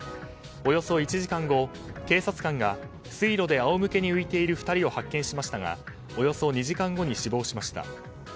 およそ１時間後、警察官が水路であおむけに浮いている２人を発見しましたがおよそ２時間後に死亡しました。